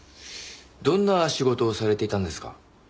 どんな仕事をされていたんですか？